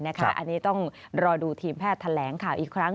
อันนี้ต้องรอดูทีมแพทย์แถลงข่าวอีกครั้ง